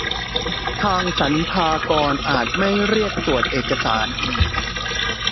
ทางสรรพากรอาจไม่เรียกตรวจเอกสารอีก